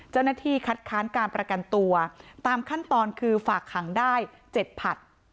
เจ้าหน้าที่คัดค้านการประกันตัวตามขั้นตอนคือฝากขังได้๗ผลัด